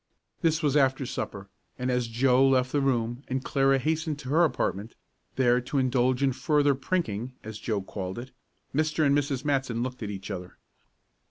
This was after supper, and as Joe left the room, and Clara hastened to her apartment, there to indulge in further "prinking," as Joe called it, Mr. and Mrs. Matson looked at each other.